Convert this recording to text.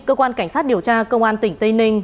cơ quan cảnh sát điều tra công an tỉnh tây ninh